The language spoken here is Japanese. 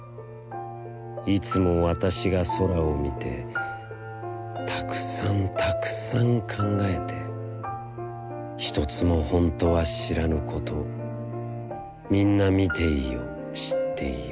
いつもわたしが空をみて、たくさん、たくさん、考えて、ひとつもほんとは知らぬこと、みんなみていよ、知っていよ。